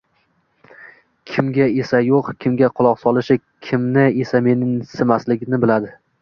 kimga esa yo‘q, kimga quloq solish, kimni esa mensimaslikni biladi.